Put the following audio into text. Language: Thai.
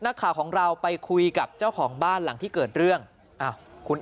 นักข่าวของเราไปคุยกับเจ้าของบ้านหลังที่เกิดเรื่องอ้าวคุณ